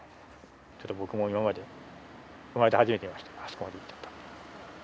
ちょっと僕も今まで、生まれて初めて見ました、あそこまで行ったの。